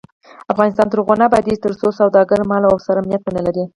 افغانستان تر هغو نه ابادیږي، ترڅو سوداګر د مال او سر امنیت ونلري.